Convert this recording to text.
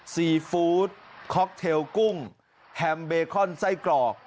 ซีฟู้ดค็อกเทลกุ้งแฮมเบคอนไส้กรอก